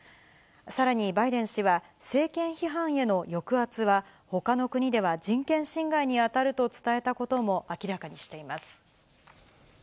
さらにバイデン氏は、政権批判への抑圧は、ほかの国では人権侵害に当たると伝えたことも明らかにしています。